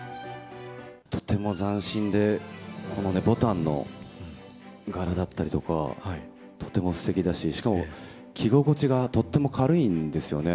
とても斬新で、このね、ぼたんの柄だったりとか、とてもすてきだし、しかも着心地がとっても軽いんですよね。